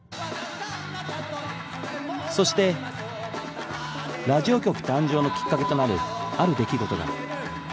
そしてラジオ局誕生のきっかけとなるある出来事が